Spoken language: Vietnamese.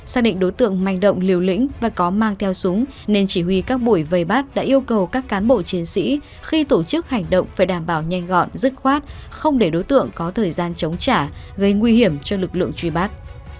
xác định đối tượng manh động liều lĩnh và có mang theo súng nên chỉ huy các buổi vây bắt đã yêu cầu các cán bộ chiến sĩ khi tổ chức hành động phải đảm bảo nhanh gọn dứt khoát không để đối tượng có thời gian chống trả gây nguy hiểm cho lực lượng truy bắt